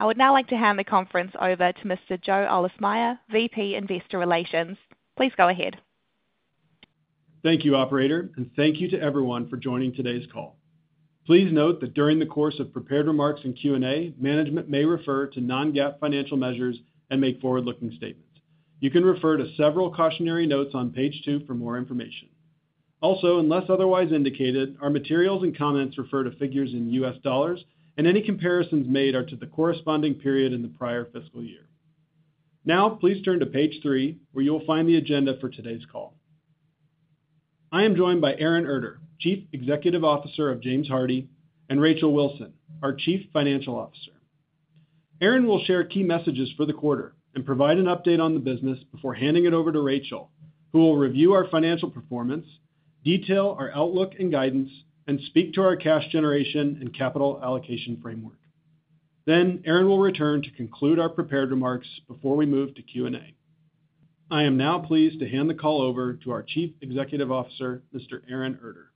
I would now like to hand the conference over to Mr. Joe Ahlersmeyer, VP Investor Relations. Please go ahead. Thank you, Operator, and thank you to everyone for joining today's call. Please note that during the course of prepared remarks and Q&A, management may refer to non-GAAP financial measures and make forward-looking statements. You can refer to several cautionary notes on page 2 for more information. Also, unless otherwise indicated, our materials and comments refer to figures in U.S. dollars, and any comparisons made are to the corresponding period in the prior fiscal year. Now, please turn to page 3, where you will find the agenda for today's call. I am joined by Aaron Erter, Chief Executive Officer of James Hardie, and Rachel Wilson, our Chief Financial Officer. Aaron will share key messages for the quarter and provide an update on the business before handing it over to Rachel, who will review our financial performance, detail our outlook and guidance, and speak to our cash generation and capital allocation framework. Then, Aaron will return to conclude our prepared remarks before we move to Q&A. I am now pleased to hand the call over to our Chief Executive Officer, Mr. Aaron Erter.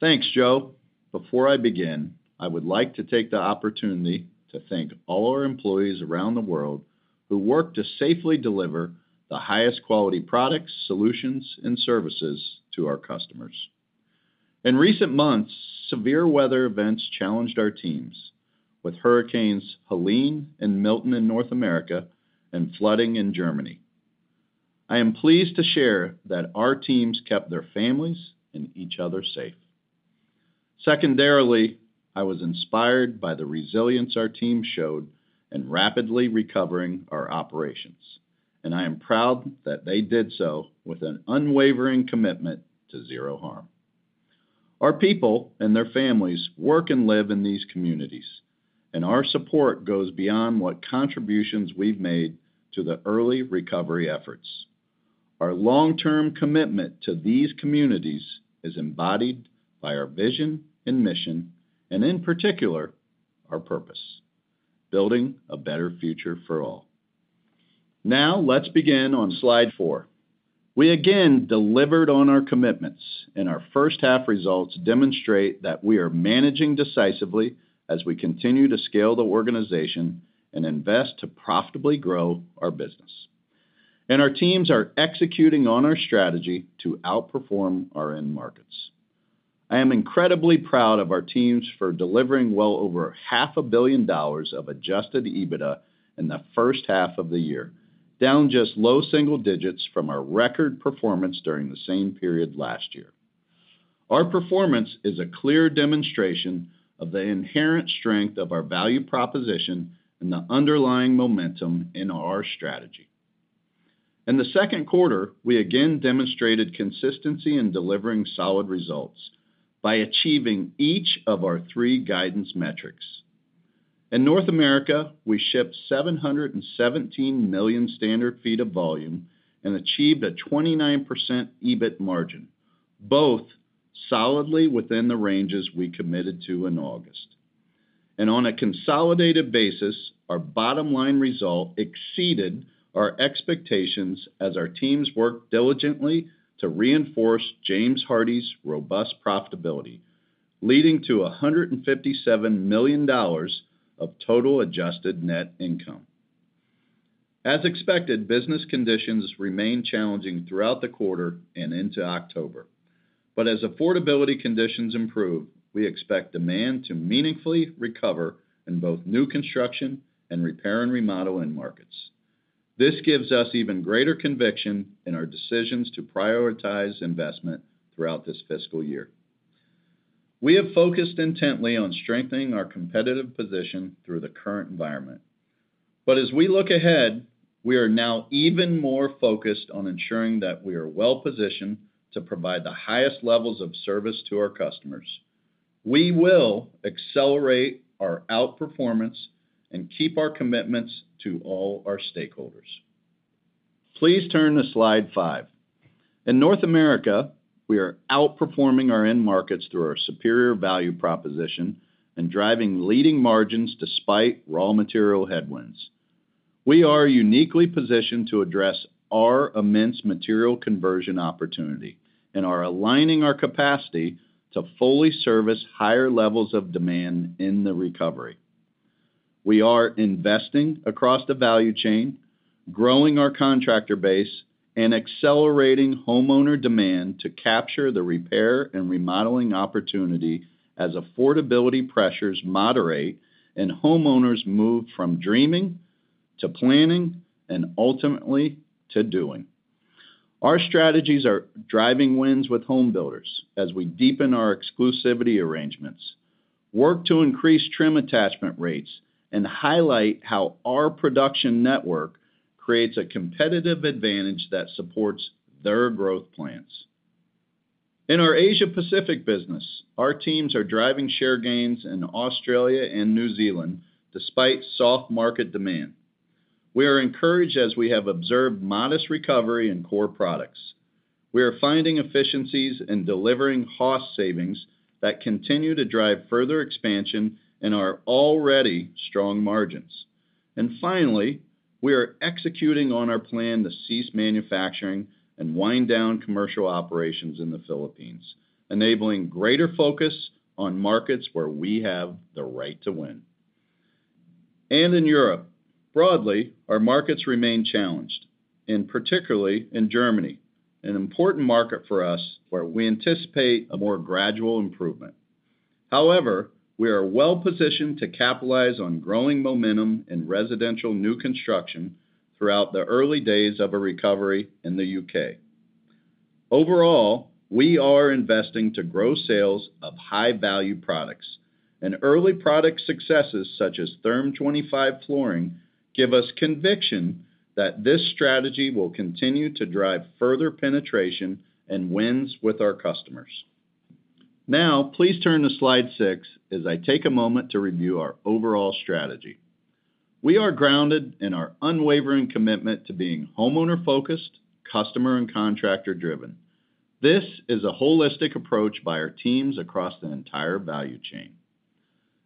Thanks, Joe. Before I begin, I would like to take the opportunity to thank all our employees around the world who work to safely deliver the highest quality products, solutions, and services to our customers. In recent months, severe weather events challenged our teams, with hurricanes Helene and Milton in North America and flooding in Germany. I am pleased to share that our teams kept their families and each other safe. Secondarily, I was inspired by the resilience our teams showed in rapidly recovering our operations, and I am proud that they did so with an unwavering commitment to Zero Harm. Our people and their families work and live in these communities, and our support goes beyond what contributions we've made to the early recovery efforts. Our long-term commitment to these communities is embodied by our vision and mission, and in particular, our purpose: building a better future for all. Now, let's begin on slide 4. We again delivered on our commitments, and our H1 results demonstrate that we are managing decisively as we continue to scale the organization and invest to profitably grow our business, and our teams are executing on our strategy to outperform our end markets. I am incredibly proud of our teams for delivering well over $500 million of Adjusted EBITDA in the H1 of the year, down just low single digits from our record performance during the same period last year. Our performance is a clear demonstration of the inherent strength of our value proposition and the underlying momentum in our strategy. In the Q2, we again demonstrated consistency in delivering solid results by achieving each of our three guidance metrics. In North America, we shipped 717 million standard feet of volume and achieved a 29% EBIT margin, both solidly within the ranges we committed to in August, and on a consolidated basis, our bottom-line result exceeded our expectations as our teams worked diligently to reinforce James Hardie's robust profitability, leading to $157 million of total adjusted net income. As expected, business conditions remain challenging throughout the quarter and into October, but as affordability conditions improve, we expect demand to meaningfully recover in both new construction and repair and remodel end markets. This gives us even greater conviction in our decisions to prioritize investment throughout this fiscal year. We have focused intently on strengthening our competitive position through the current environment, but as we look ahead, we are now even more focused on ensuring that we are well-positioned to provide the highest levels of service to our customers. We will accelerate our outperformance and keep our commitments to all our stakeholders. Please turn to slide 5. In North America, we are outperforming our end markets through our superior value proposition and driving leading margins despite raw material headwinds. We are uniquely positioned to address our immense material conversion opportunity and are aligning our capacity to fully service higher levels of demand in the recovery. We are investing across the value chain, growing our contractor base, and accelerating homeowner demand to capture the repair and remodeling opportunity as affordability pressures moderate and homeowners move from dreaming to planning and ultimately to doing. Our strategies are driving wins with homebuilders as we deepen our exclusivity arrangements, work to increase trim attachment rates, and highlight how our production network creates a competitive advantage that supports their growth plans. In our Asia-Pacific business, our teams are driving share gains in Australia and New Zealand despite soft market demand. We are encouraged as we have observed modest recovery in core products. We are finding efficiencies and delivering cost savings that continue to drive further expansion in our already strong margins. And finally, we are executing on our plan to cease manufacturing and wind down commercial operations in the Philippines, enabling greater focus on markets where we have the right to win. And in Europe, broadly, our markets remain challenged, and particularly in Germany, an important market for us where we anticipate a more gradual improvement. However, we are well-positioned to capitalize on growing momentum in residential new construction throughout the early days of a recovery in the UK. Overall, we are investing to grow sales of high-value products, and early product successes such as Therm25 flooring give us conviction that this strategy will continue to drive further penetration and wins with our customers. Now, please turn to slide 6 as I take a moment to review our overall strategy. We are grounded in our unwavering commitment to being homeowner-focused, customer and contractor-driven. This is a holistic approach by our teams across the entire value chain.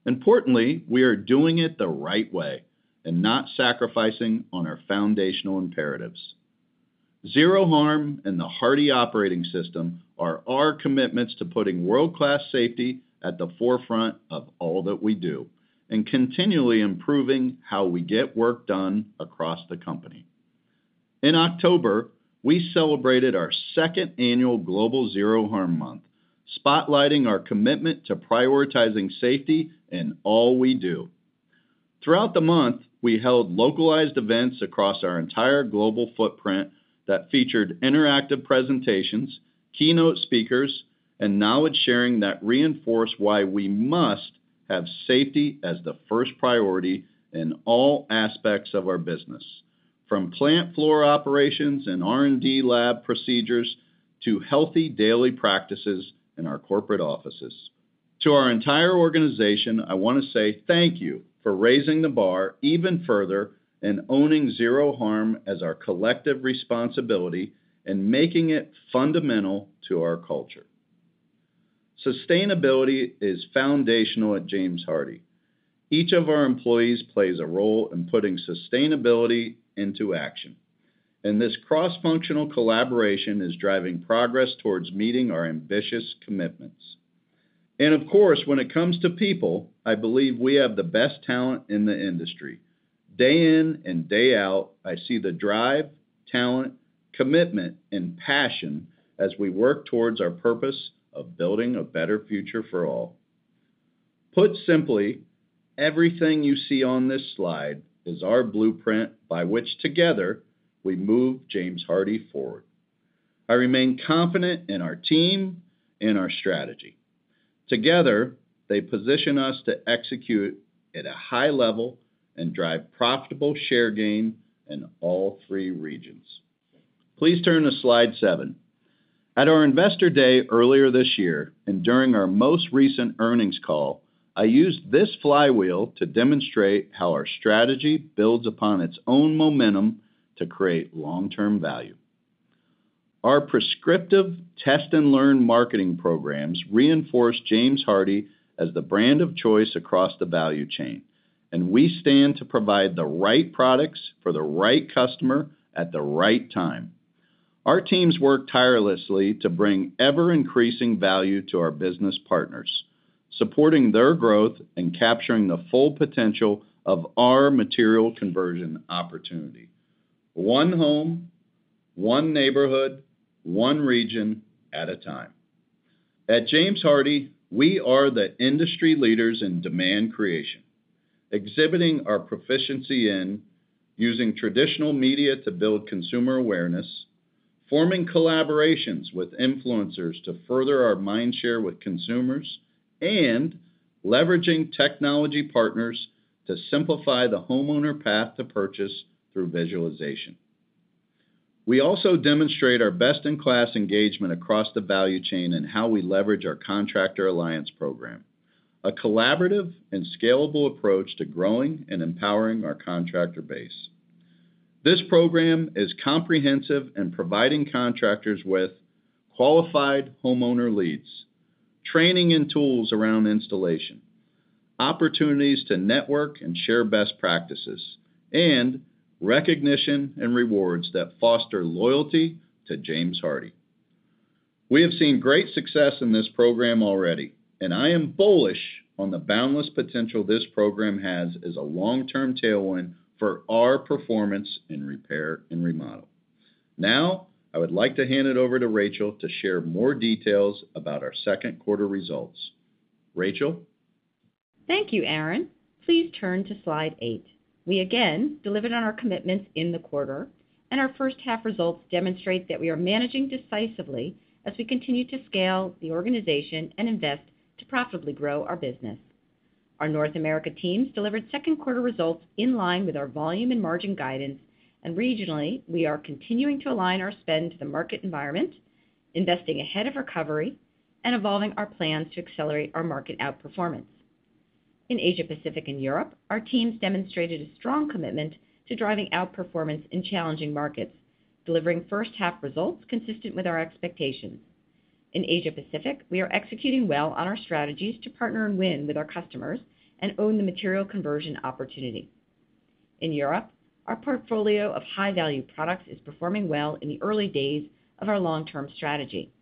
Importantly, we are doing it the right way and not sacrificing on our foundational imperatives. Zero Harm and the Hardie Operating System are our commitments to putting world-class safety at the forefront of all that we do and continually improving how we get work done across the company. In October, we celebrated our second annual Global Zero Harm Month, spotlighting our commitment to prioritizing safety in all we do. Throughout the month, we held localized events across our entire global footprint that featured interactive presentations, keynote speakers, and knowledge sharing that reinforce why we must have safety as the first priority in all aspects of our business, from plant floor operations and R&D lab procedures to healthy daily practices in our corporate offices. To our entire organization, I want to say thank you for raising the bar even further and owning Zero Harm as our collective responsibility and making it fundamental to our culture. Sustainability is foundational at James Hardie. Each of our employees plays a role in putting sustainability into action, and this cross-functional collaboration is driving progress towards meeting our ambitious commitments. And of course, when it comes to people, I believe we have the best talent in the industry. Day in and day out, I see the drive, talent, commitment, and passion as we work towards our purpose of building a better future for all. Put simply, everything you see on this slide is our blueprint by which together we move James Hardie forward. I remain confident in our team and our strategy. Together, they position us to execute at a high level and drive profitable share gain in all three regions. Please turn to slide seven. At our investor day earlier this year and during our most recent earnings call, I used this flywheel to demonstrate how our strategy builds upon its own momentum to create long-term value. Our prescriptive test-and-learn marketing programs reinforce James Hardie as the brand of choice across the value chain, and we stand to provide the right products for the right customer at the right time. Our teams work tirelessly to bring ever-increasing value to our business partners, supporting their growth and capturing the full potential of our material conversion opportunity: one home, one neighborhood, one region at a time. At James Hardie, we are the industry leaders in demand creation, exhibiting our proficiency in using traditional media to build consumer awareness, forming collaborations with influencers to further our mindshare with consumers, and leveraging technology partners to simplify the homeowner path to purchase through visualization. We also demonstrate our best-in-class engagement across the value chain and how we leverage our Contractor Alliance Program, a collaborative and scalable approach to growing and empowering our contractor base. This Program is comprehensive in providing contractors with qualified homeowner leads, training and tools around installation, opportunities to network and share best practices, and recognition and rewards that foster loyalty to James Hardie. We have seen great success in this program already, and I am bullish on the boundless potential this program has as a long-term tailwind for our performance in repair and remodel. Now, I would like to hand it over to Rachel to share more details about our Q2 results. Rachel? Thank you, Aaron. Please turn to slide 8. We again delivered on our commitments in the quarter, and our H1 results demonstrate that we are managing decisively as we continue to scale the organization and invest to profitably grow our business. Our North America teams delivered Q2 results in line with our volume and margin guidance, and regionally, we are continuing to align our spend to the market environment, investing ahead of recovery, and evolving our plans to accelerate our market outperformance. In Asia-Pacific and Europe, our teams demonstrated a strong commitment to driving outperformance in challenging markets, delivering H1 results consistent with our expectations. In Asia-Pacific, we are executing well on our strategies to partner and win with our customers and own the material conversion opportunity. In Europe, our portfolio of high-value products is performing well in the early days of our long-term strategy.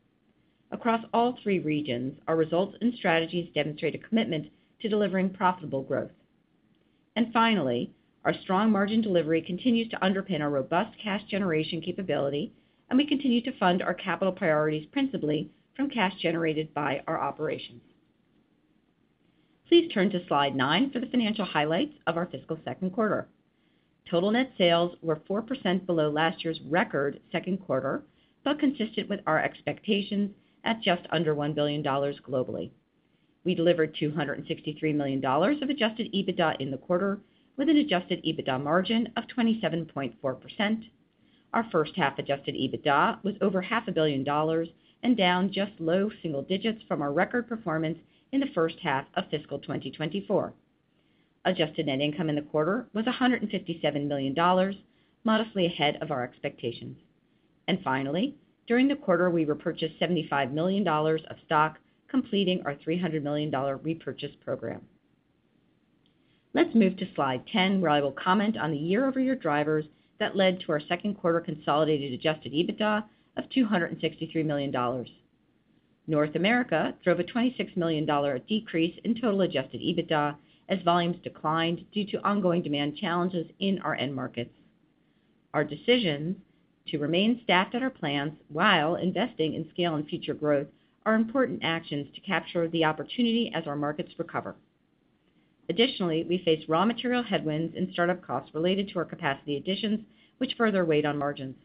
Across all three regions, our results and strategies demonstrate a commitment to delivering profitable growth. And finally, our strong margin delivery continues to underpin our robust cash generation capability, and we continue to fund our capital priorities principally from cash generated by our operations. Please turn to slide 9 for the financial highlights of our fiscal Q2. Total net sales were 4% below last year's record Q2, but consistent with our expectations at just under $1 billion globally. We delivered $263 million of adjusted EBITDA in the quarter, with an adjusted EBITDA margin of 27.4%. Our H1 adjusted EBITDA was over $500 million and down just low single digits from our record performance in the H1 of fiscal 2024. Adjusted net income in the quarter was $157 million, modestly ahead of our expectations. Finally, during the quarter, we repurchased $75 million of stock, completing our $300 million repurchase program. Let's move to slide 10, where I will comment on the year-over-year drivers that led to our Q2 consolidated adjusted EBITDA of $263 million. North America drove a $26 million decrease in total adjusted EBITDA as volumes declined due to ongoing demand challenges in our end markets. Our decisions to remain staffed at our plants while investing in scale and future growth are important actions to capture the opportunity as our markets recover. Additionally, we faced raw material headwinds and startup costs related to our capacity additions, which further weighed on margins.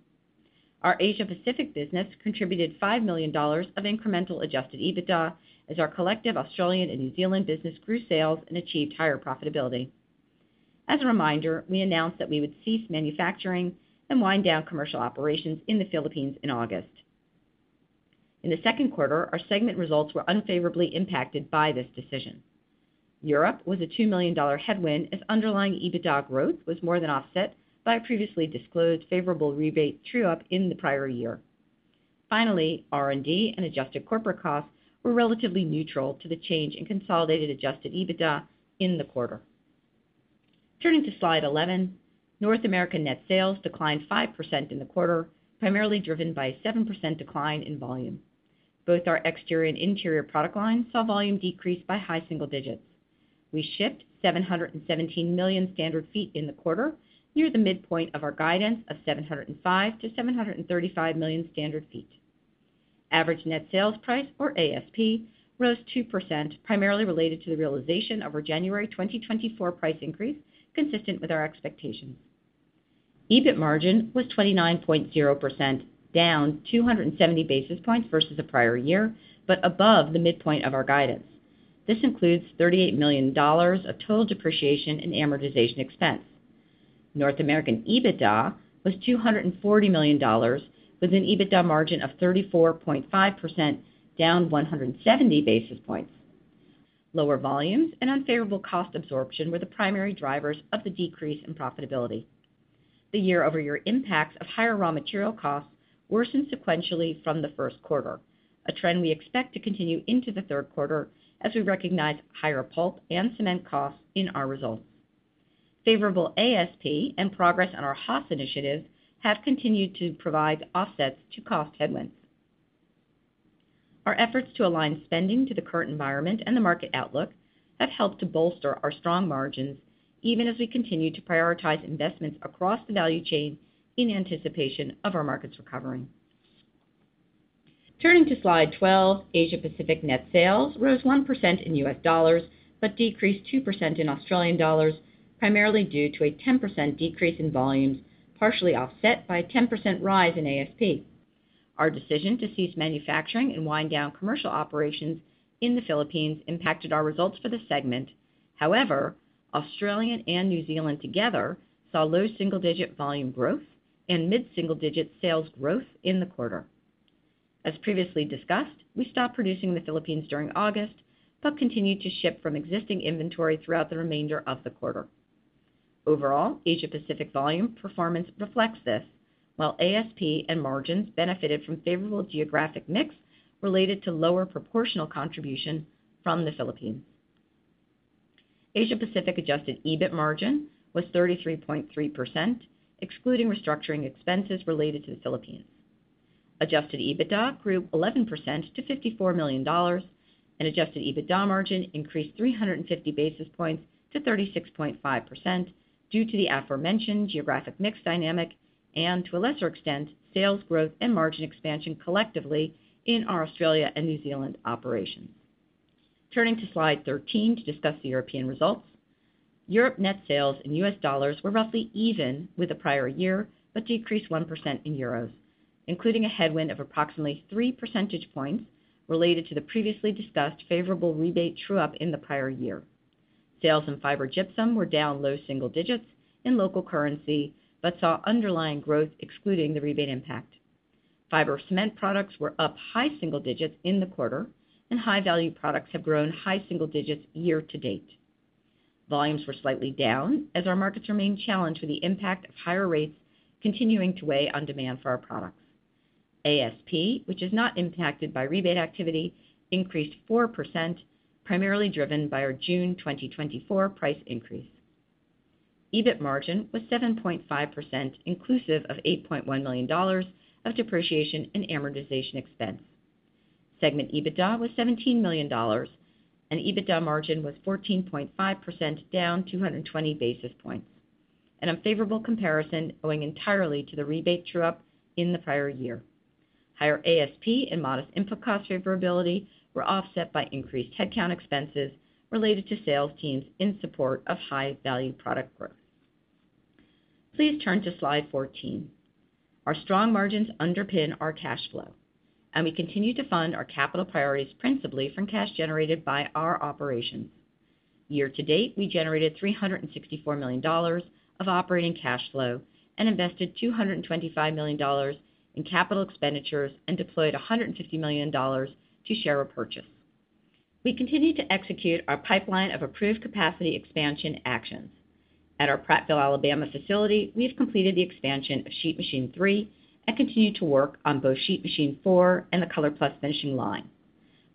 Our Asia-Pacific business contributed $5 million of incremental adjusted EBITDA as our collective Australian and New Zealand business grew sales and achieved higher profitability. As a reminder, we announced that we would cease manufacturing and wind down commercial operations in the Philippines in August. In the Q2, our segment results were unfavorably impacted by this decision. Europe was a $2 million headwind as underlying EBITDA growth was more than offset by a previously disclosed favorable rebate true-up in the prior year. Finally, R&D and adjusted corporate costs were relatively neutral to the change in consolidated adjusted EBITDA in the quarter. Turning to slide 11, North America net sales declined 5% in the quarter, primarily driven by a 7% decline in volume. Both our exterior and interior product lines saw volume decrease by high single digits. We shipped 717 million standard feet in the quarter, near the midpoint of our guidance of 705-735 million standard feet. Average net sales price, or ASP, rose 2%, primarily related to the realization of our January 2024 price increase consistent with our expectations. EBIT margin was 29.0%, down 270 basis points versus the prior year, but above the midpoint of our guidance. This includes $38 million of total depreciation and amortization expense. North American EBITDA was $240 million, with an EBITDA margin of 34.5%, down 170 basis points. Lower volumes and unfavorable cost absorption were the primary drivers of the decrease in profitability. The year-over-year impacts of higher raw material costs worsened sequentially from the Q1, a trend we expect to continue into the Q3 as we recognize higher pulp and cement costs in our results. Favorable ASP and progress on our HOS initiatives have continued to provide offsets to cost headwinds. Our efforts to align spending to the current environment and the market outlook have helped to bolster our strong margins, even as we continue to prioritize investments across the value chain in anticipation of our markets recovering. Turning to slide 12, Asia-Pacific net sales rose 1% in U.S. dollars but decreased 2% in Australian dollars, primarily due to a 10% decrease in volumes, partially offset by a 10% rise in ASP. Our decision to cease manufacturing and wind down commercial operations in the Philippines impacted our results for the segment. However, Australian and New Zealand together saw low single-digit volume growth and mid-single-digit sales growth in the quarter. As previously discussed, we stopped producing in the Philippines during August but continued to ship from existing inventory throughout the remainder of the quarter. Overall, Asia-Pacific volume performance reflects this, while ASP and margins benefited from favorable geographic mix related to lower proportional contribution from the Philippines. Asia-Pacific adjusted EBIT margin was 33.3%, excluding restructuring expenses related to the Philippines. Adjusted EBITDA grew 11% to $54 million, and adjusted EBITDA margin increased 350 basis points to 36.5% due to the aforementioned geographic mix dynamic and, to a lesser extent, sales growth and margin expansion collectively in our Australia and New Zealand operations. Turning to slide 13 to discuss the European results, Europe net sales in U.S. dollars were roughly even with the prior year but decreased 1% in euros, including a headwind of approximately 3 percentage points related to the previously discussed favorable rebate true-up in the prior year. Sales in fiber gypsum were down low single digits in local currency but saw underlying growth, excluding the rebate impact. Fiber cement products were up high single digits in the quarter, and high-value products have grown high single digits year to date. Volumes were slightly down as our markets remained challenged with the NPAT of higher rates continuing to weigh on demand for our products. ASP, which is not impacted by rebate activity, increased 4%, primarily driven by our June 2024 price increase. EBIT margin was 7.5%, inclusive of $8.1 million of depreciation and amortization expense. Segment EBITDA was $17 million, and EBITDA margin was 14.5%, down 220 basis points, an unfavorable comparison owing entirely to the rebate true-up in the prior year. Higher ASP and modest input cost favorability were offset by increased headcount expenses related to sales teams in support of high-value product growth. Please turn to slide 14. Our strong margins underpin our cash flow, and we continue to fund our capital priorities principally from cash generated by our operations. Year to date, we generated $364 million of operating cash flow and invested $225 million in capital expenditures and deployed $150 million to share repurchase. We continue to execute our pipeline of approved capacity expansion actions. At our Prattville, Alabama, facility, we have completed the expansion of Sheet Machine 3 and continue to work on both Sheet Machine 4 and the ColorPlus finishing line.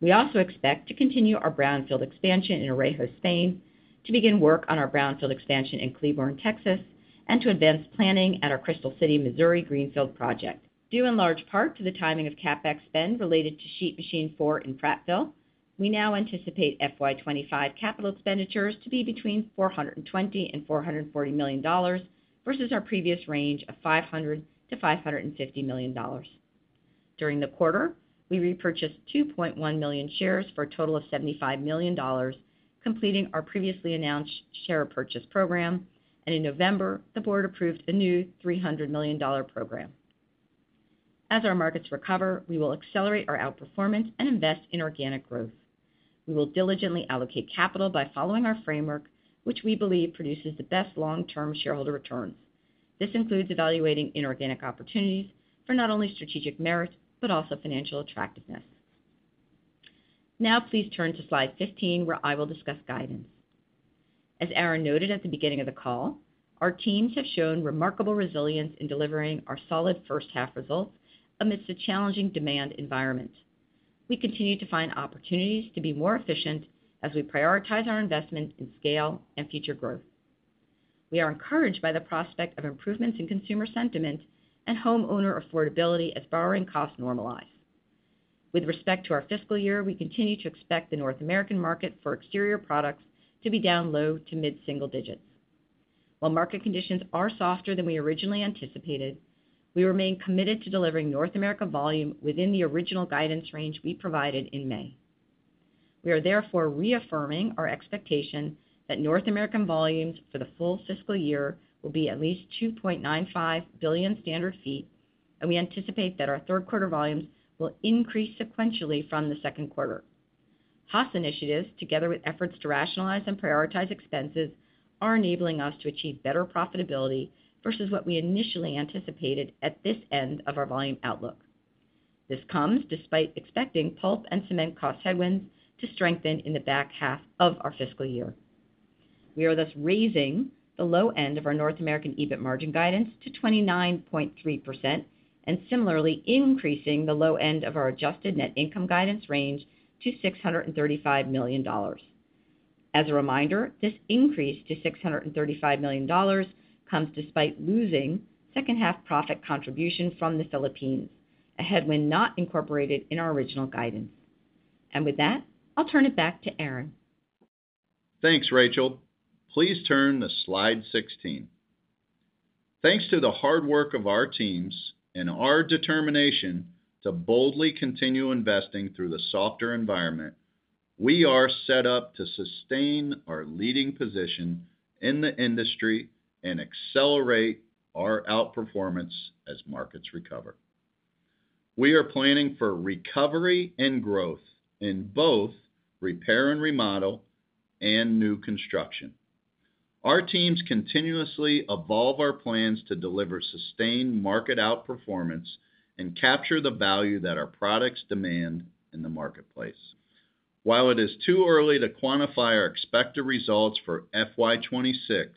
We also expect to continue our brownfield expansion in Orejo, Spain, to begin work on our brownfield expansion in Cleburne, Texas, and to advance planning at our Crystal City, Missouri, greenfield project. Due in large part to the timing of CapEx spend related to Sheet Machine 4 in Prattville, we now anticipate FY 2025 capital expenditures to be between $420 and $440 million versus our previous range of $500-$550 million. During the quarter, we repurchased 2.1 million shares for a total of $75 million, completing our previously announced share repurchase program, and in November, the board approved a new $300 million program. As our markets recover, we will accelerate our outperformance and invest in organic growth. We will diligently allocate capital by following our framework, which we believe produces the best long-term shareholder returns. This includes evaluating inorganic opportunities for not only strategic merit but also financial attractiveness. Now, please turn to slide 15, where I will discuss guidance. As Aaron noted at the beginning of the call, our teams have shown remarkable resilience in delivering our solid H1 results amidst a challenging demand environment. We continue to find opportunities to be more efficient as we prioritize our investment in scale and future growth. We are encouraged by the prospect of improvements in consumer sentiment and homeowner affordability as borrowing costs normalize. With respect to our fiscal year, we continue to expect the North American market for exterior products to be down low to mid-single digits. While market conditions are softer than we originally anticipated, we remain committed to delivering North America volume within the original guidance range we provided in May. We are therefore reaffirming our expectation that North American volumes for the full fiscal year will be at least 2.95 billion standard feet, and we anticipate that our Q3 volumes will increase sequentially from the Q2. HOS initiatives, together with efforts to rationalize and prioritize expenses, are enabling us to achieve better profitability versus what we initially anticipated at this end of our volume outlook. This comes despite expecting pulp and cement cost headwinds to strengthen in the back half of our fiscal year. We are thus raising the low end of our North American EBIT margin guidance to 29.3% and similarly increasing the low end of our adjusted net income guidance range to $635 million. As a reminder, this increase to $635 million comes despite losing H2 profit contribution from the Philippines, a headwind not incorporated in our original guidance. And with that, I'll turn it back to Aaron. Thanks, Rachel. Please turn to slide 16. Thanks to the hard work of our teams and our determination to boldly continue investing through the softer environment, we are set up to sustain our leading position in the industry and accelerate our outperformance as markets recover. We are planning for recovery and growth in both repair and remodel and new construction. Our teams continuously evolve our plans to deliver sustained market outperformance and capture the value that our products demand in the marketplace. While it is too early to quantify our expected results for FY 2026,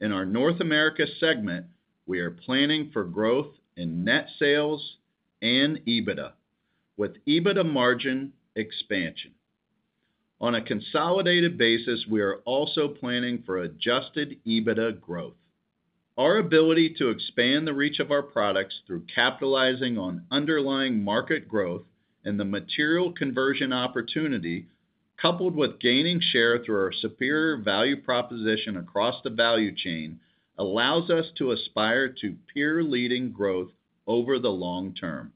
in our North America segment, we are planning for growth in net sales and EBITDA with EBITDA margin expansion. On a consolidated basis, we are also planning for adjusted EBITDA growth. Our ability to expand the reach of our products through capitalizing on underlying market growth and the material conversion opportunity, coupled with gaining share through our superior value proposition across the value chain, allows us to aspire to peer-leading growth over the long term.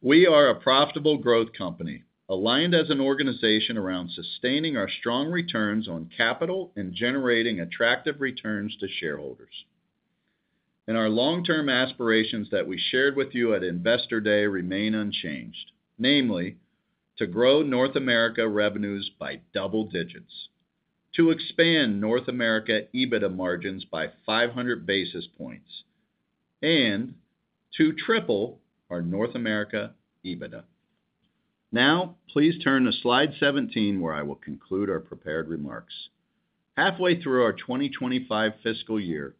We are a profitable growth company, aligned as an organization around sustaining our strong returns on capital and generating attractive returns to shareholders, and our long-term aspirations that we shared with you at Investor Day remain unchanged, namely to grow North America revenues by double digits, to expand North America EBITDA margins by 500 basis points, and to triple our North America EBITDA. Now, please turn to slide 17, where I will conclude our prepared remarks. Halfway through our 2025 fiscal year,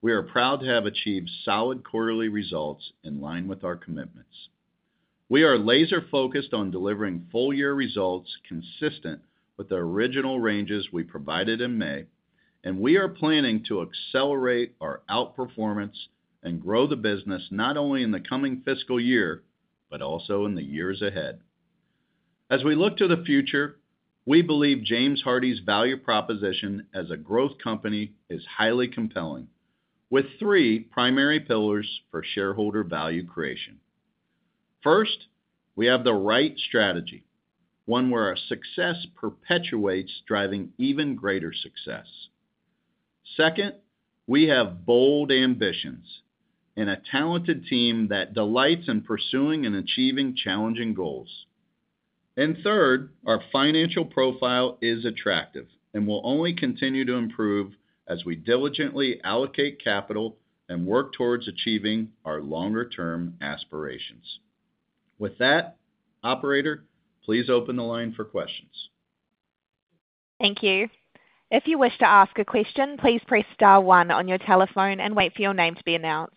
we are proud to have achieved solid quarterly results in line with our commitments. We are laser-focused on delivering full-year results consistent with the original ranges we provided in May, and we are planning to accelerate our outperformance and grow the business not only in the coming fiscal year but also in the years ahead. As we look to the future, we believe James Hardie's value proposition as a growth company is highly compelling, with three primary pillars for shareholder value creation. First, we have the right strategy, one where our success perpetuates driving even greater success. Second, we have bold ambitions and a talented team that delights in pursuing and achieving challenging goals. And third, our financial profile is attractive and will only continue to improve as we diligently allocate capital and work towards achieving our longer-term aspirations. With that, Operator, please open the line for questions. Thank you. If you wish to ask a question, please press star one on your telephone and wait for your name to be announced.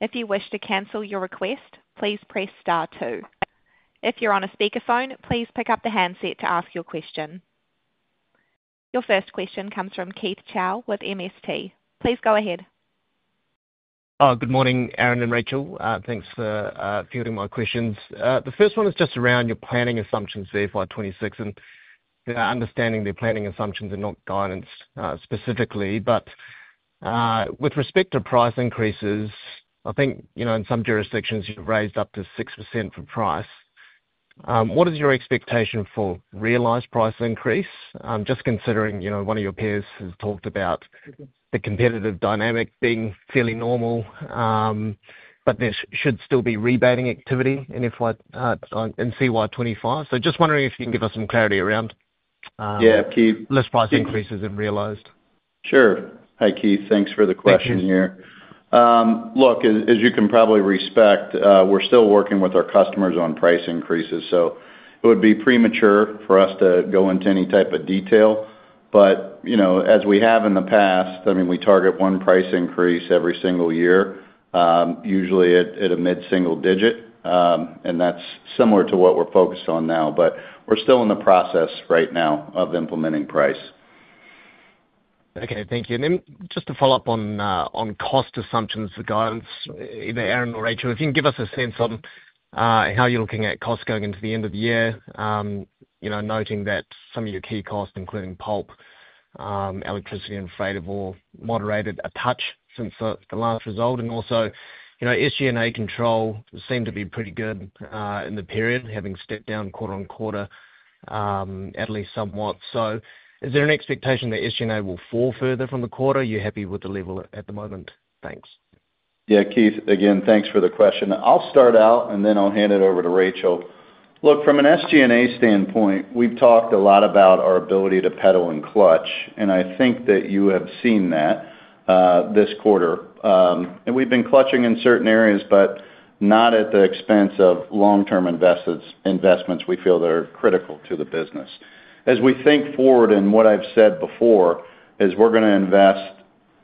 If you wish to cancel your request, please press star two. If you're on a speakerphone, please pick up the handset to ask your question. Your first question comes from Keith Chau with MST. Please go ahead. Good morning, Aaron and Rachel. Thanks for fielding my questions. The first one is just around your planning assumptions for FY 2026 and understanding the planning assumptions and not guidance specifically. But with respect to price increases, I think in some jurisdictions you've raised up to 6% for price. What is your expectation for realized price increase? Just considering one of your peers has talked about the competitive dynamic being fairly normal, but there should still be rebating activity in FY 2025. So just wondering if you can give us some clarity around? Yeah, Keith. Less price increases than realized. Sure. Hi, Keith. Thanks for the question here. Look, as you can probably expect, we're still working with our customers on price increases, so it would be premature for us to go into any type of detail. But as we have in the past, I mean, we target one price increase every single year, usually at a mid-single digit, and that's similar to what we're focused on now, but we're still in the process right now of implementing price. Okay. Thank you. And then just to follow up on cost assumptions for guidance, either Aaron or Rachel, if you can give us a sense on how you're looking at costs going into the end of the year, noting that some of your key costs, including pulp, electricity, and freight, have all moderated a touch since the last result. And also, SG&A control seemed to be pretty good in the period, having stepped down quarter-on-quarter at least somewhat. So is there an expectation that SG&A will fall further from the quarter? Are you happy with the level at the moment? Thanks. Yeah, Keith, again, thanks for the question. I'll start out, and then I'll hand it over to Rachel. Look, from an SG&A standpoint, we've talked a lot about our ability to pedal and clutch, and I think that you have seen that this quarter. And we've been clutching in certain areas, but not at the expense of long-term investments we feel that are critical to the business. As we think forward, and what I've said before is we're going to invest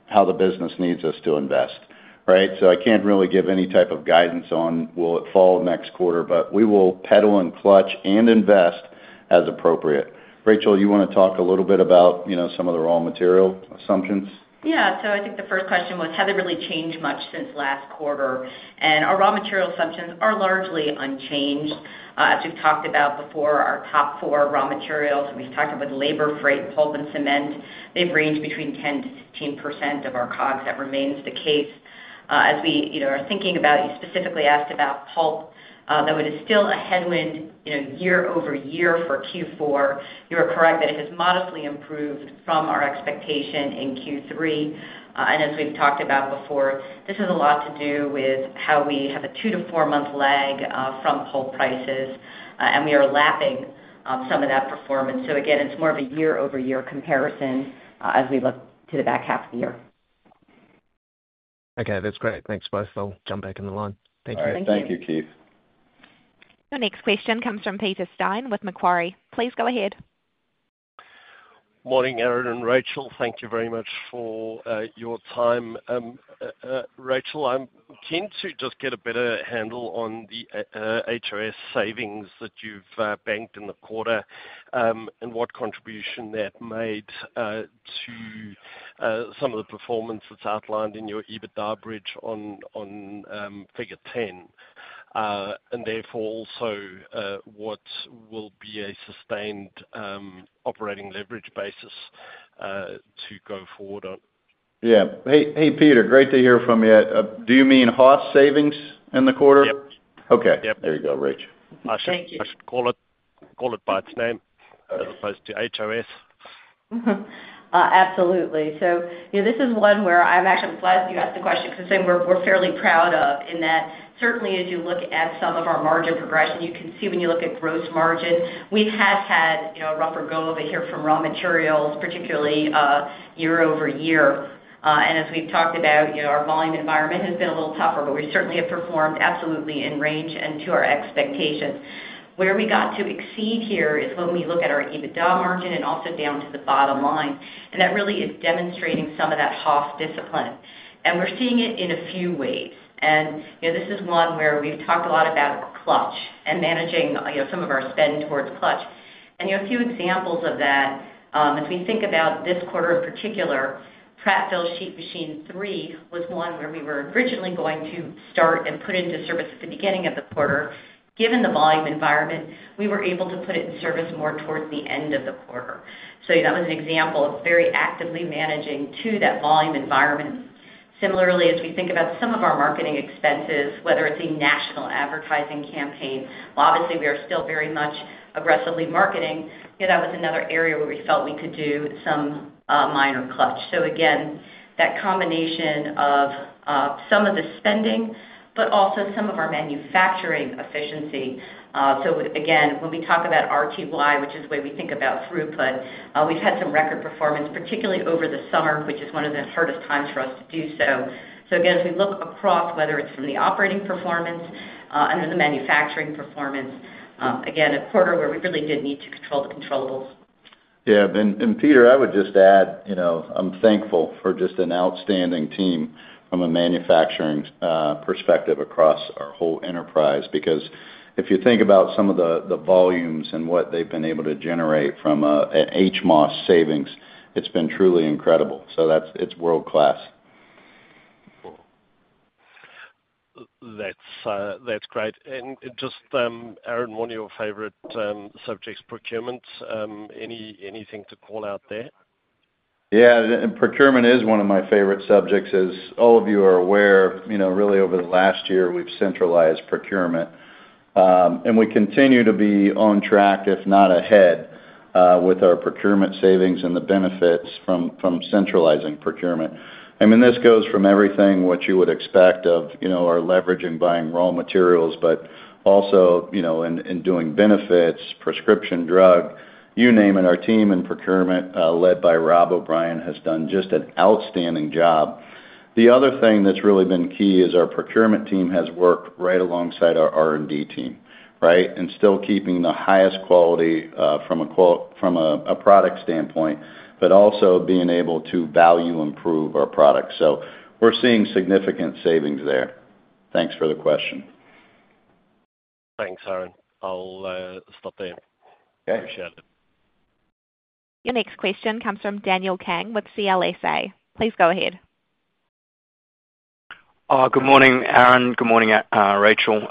how the business needs us to invest, right? I can't really give any type of guidance on will it fall next quarter, but we will pedal and clutch and invest as appropriate. Rachel, you want to talk a little bit about some of the raw material assumptions? Yeah. So I think the first question was, has it really changed much since last quarter, and our raw material assumptions are largely unchanged. As we've talked about before, our top four raw materials, and we've talked about labor, freight, pulp, and cement, they've ranged between 10%-15% of our COGS. That remains the case. As we are thinking about, you specifically asked about pulp, though it is still a headwind year-over-year for Q4. You are correct that it has modestly improved from our expectation in Q3. And as we've talked about before, this has a lot to do with how we have a two- to four-month lag from pulp prices, and we are lapping some of that performance. So again, it's more of a year-over-year comparison as we look to the back half of the year. Okay. That's great. Thanks, both. I'll jump back in the line. Thank you. Thank you. Thank you, Keith. The next question comes from Peter Steyn with Macquarie. Please go ahead. Morning, Aaron and Rachel. Thank you very much for your time. Rachel, I'm keen to just get a better handle on the HOS savings that you've banked in the quarter and what contribution that made to some of the performance that's outlined in your EBITDA bridge on figure 10, and therefore also what will be a sustained operating leverage basis to go forward on. Yeah. Hey, Peter, great to hear from you. Do you mean HOS savings in the quarter? Yep. Okay. There you go, Rachel. Thank you. I should call it by its name as opposed to HOS. Absolutely. So this is one where I'm actually glad that you asked the question because it's something we're fairly proud of in that certainly as you look at some of our margin progression, you can see when you look at gross margin, we have had a rougher go of it here from raw materials, particularly year-over-year. And as we've talked about, our volume environment has been a little tougher, but we certainly have performed absolutely in range and to our expectations. Where we got to exceed here is when we look at our EBITDA margin and also down to the bottom line. And that really is demonstrating some of that HOS discipline. And we're seeing it in a few ways. And this is one where we've talked a lot about CapEx and managing some of our spend towards CapEx. And a few examples of that, as we think about this quarter in particular, Prattville Sheet Machine 3 was one where we were originally going to start and put into service at the beginning of the quarter. Given the volume environment, we were able to put it in service more towards the end of the quarter. So that was an example of very actively managing to that volume environment. Similarly, as we think about some of our marketing expenses, whether it's a national advertising campaign, obviously we are still very much aggressively marketing. That was another area where we felt we could do some minor CapEx. So again, that combination of some of the spending, but also some of our manufacturing efficiency. So again, when we talk about RTY, which is the way we think about throughput, we've had some record performance, particularly over the summer, which is one of the hardest times for us to do so. So again, as we look across, whether it's from the operating performance under the manufacturing performance, again, a quarter where we really did need to control the controllables. Yeah. And Peter, I would just add, I'm thankful for just an outstanding team from a manufacturing perspective across our whole enterprise because if you think about some of the volumes and what they've been able to generate from HOS savings, it's been truly incredible. So it's world-class. That's great. And just, Aaron, one of your favorite subjects, procurement. Anything to call out there? Yeah. Procurement is one of my favorite subjects as all of you are aware. Really, over the last year, we've centralized procurement. And we continue to be on track, if not ahead, with our procurement savings and the benefits from centralizing procurement. I mean, this goes from everything what you would expect of our leverage in buying raw materials, but also in doing benefits, prescription drug, you name it. Our team in procurement, led by Rob O'Brien, has done just an outstanding job. The other thing that's really been key is our procurement team has worked right alongside our R&D team, right, and still keeping the highest quality from a product standpoint, but also being able to value improve our product. So we're seeing significant savings there. Thanks for the question. Thanks, Aaron. I'll stop there. Appreciate it. Your next question comes from Daniel Kang with CLSA. Please go ahead. Good morning, Aaron. Good morning, Rachel.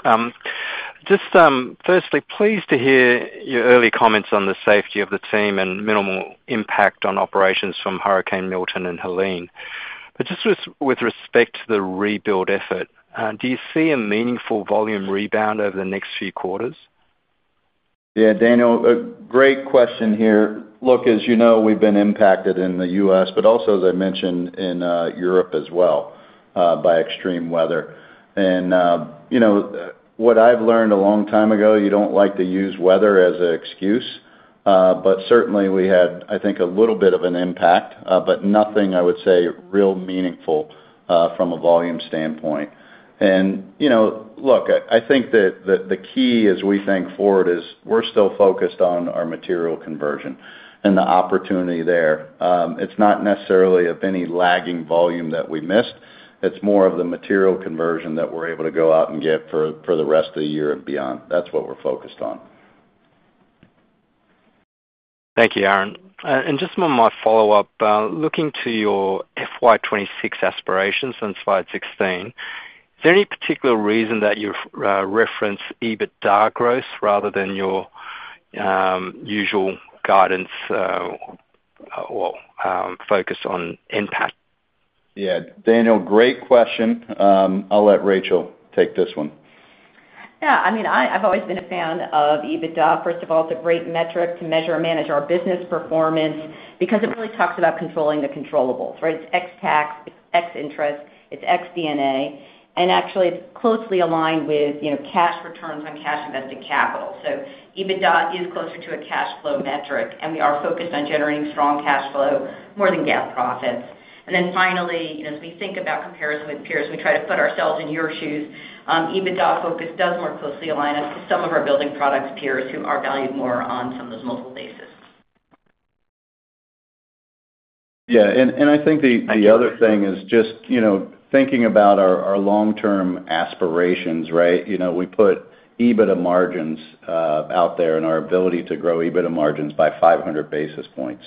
Just firstly, pleased to hear your early comments on the safety of the team and minimal impact on operations from Hurricane Milton and Helene, but just with respect to the rebuild effort, do you see a meaningful volume rebound over the next few quarters? Yeah, Daniel, a great question here. Look, as you know, we've been impacted in the U.S., but also, as I mentioned, in Europe as well by extreme weather, and what I've learned a long time ago, you don't like to use weather as an excuse, but certainly we had, I think, a little bit of an impact, but nothing, I would say, real meaningful from a volume standpoint, and look, I think that the key as we think forward is we're still focused on our material conversion and the opportunity there. It's not necessarily of any lagging volume that we missed. It's more of the material conversion that we're able to go out and get for the rest of the year and beyond. That's what we're focused on. Thank you, Aaron. And just one more follow-up. Looking to your FY 2026 aspirations and slide 16, is there any particular reason that you reference EBITDA growth rather than your usual guidance or focus on impact? Yeah. Daniel, great question. I'll let Rachel take this one. Yeah. I mean, I've always been a fan of EBITDA. First of all, it's a great metric to measure and manage our business performance because it really talks about controlling the controllables. Right? It's ex tax, it's ex interest, it's ex D&A, and actually it's closely aligned with cash returns on cash invested capital. So EBITDA is closer to a cash flow metric, and we are focused on generating strong cash flow more than gross profits. And then finally, as we think about comparison with peers, we try to put ourselves in your shoes. EBITDA focus does more closely align us to some of our building products peers who are valued more on some of those multiple bases. Yeah. And I think the other thing is just thinking about our long-term aspirations, right? We put EBITDA margins out there and our ability to grow EBITDA margins by 500 basis points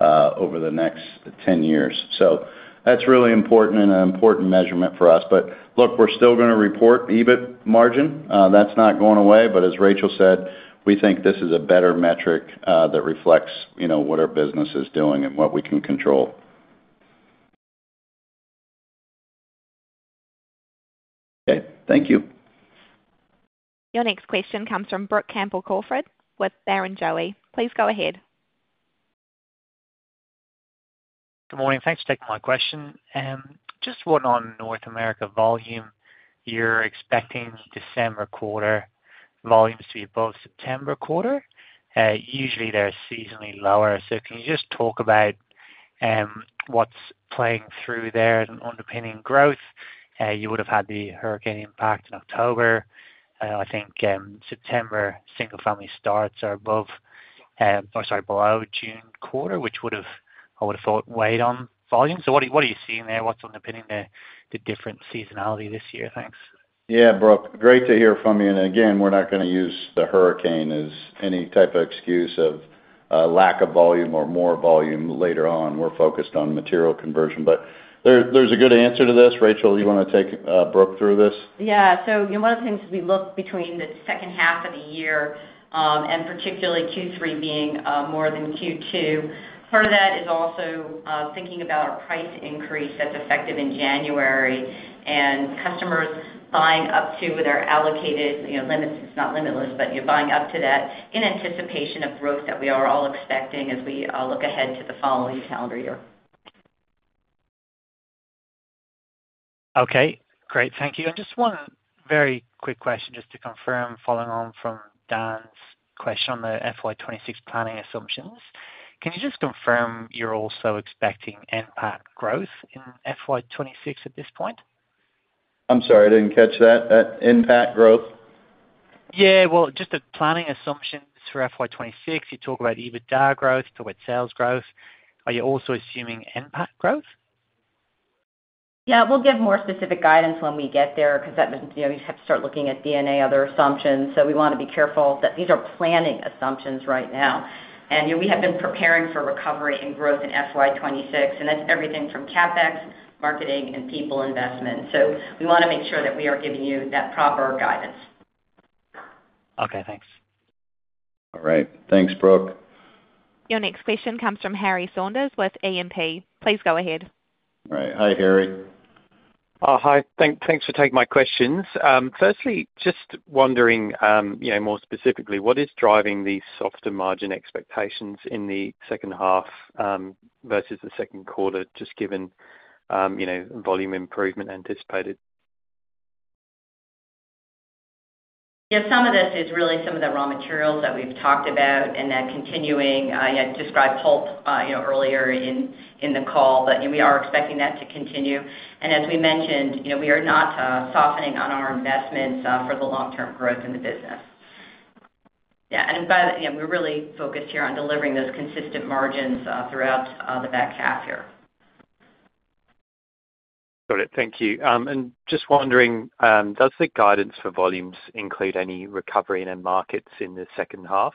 over the next 10 years. So that's really important and an important measurement for us. But look, we're still going to report EBIT margin. That's not going away. But as Rachel said, we think this is a better metric that reflects what our business is doing and what we can control. Okay. Thank you. Your next question comes from Brook Campbell-Crawford with Barrenjoey. Please go ahead. Good morning. Thanks for taking my question. Just, what on North America volume you're expecting December quarter volumes to be above September quarter? Usually, they're seasonally lower. So can you just talk about what's playing through there and underpinning growth? You would have had the hurricane impact in October. I think September single-family starts are above or sorry, below June quarter, which would have I would have thought weighed on volume. So what are you seeing there? What's underpinning the different seasonality this year? Thanks. Yeah, Brook. Great to hear from you. And again, we're not going to use the hurricane as any type of excuse of lack of volume or more volume later on. We're focused on material conversion. But there's a good answer to this. Rachel, you want to take Brook through this? Yeah. So one of the things as we look between the H2 of the year and particularly Q3 being more than Q2, part of that is also thinking about our price increase that's effective in January and customers buying up to their allocated limits. It's not limitless, but buying up to that in anticipation of growth that we are all expecting as we look ahead to the following calendar year. Okay. Great. Thank you. And just one very quick question just to confirm, following on from Dan's question on the FY 2026 planning assumptions, can you just confirm you're also expecting impact growth in FY 2026 at this point? I'm sorry. I didn't catch that. Impact growth? Yeah. Well, just the planning assumptions for FY 2026, you talk about EBITDA growth, you talk about sales growth. Are you also assuming impact growth? Yeah. We'll give more specific guidance when we get there because you have to start looking at D&A, other assumptions. So we want to be careful that these are planning assumptions right now. We have been preparing for recovery and growth in FY 2026. That's everything from CapEx, marketing, and people investment. So we want to make sure that we are giving you that proper guidance. Okay. Thanks. All right. Thanks, Brook. Your next question comes from Harry Saunders with E&P. Please go ahead. All right. Hi, Harry. Hi. Thanks for taking my questions. First, just wondering more specifically, what is driving these softer margin expectations in the H2 versus the Q2, just given volume improvement anticipated? Yeah. Some of this is really some of the raw materials that we've talked about and that continuing. You described pulp earlier in the call, but we are expecting that to continue. And as we mentioned, we are not softening on our investments for the long-term growth in the business. Yeah. And we're really focused here on delivering those consistent margins throughout the back half here. Got it. Thank you. And just wondering, does the guidance for volumes include any recovery in markets in the H2?